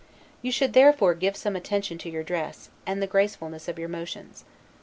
You should therefore give some attention to your dress, and the gracefulness of your motions.